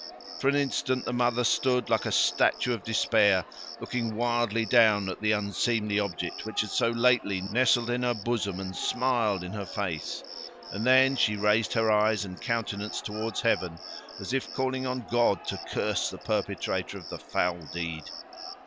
For an instant the mother stood, like a statue of despair, looking wildly down at the unseemly object, which had so lately nestled in her bosom and smiled in her face; and then she raised her eyes and countenance toward heaven, as if calling on God to curse the perpetrator of the foul deed.